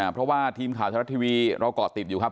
เพราะว่าทีมข่าวชาติรัตน์ทีวีเราก่อติดอยู่ครับ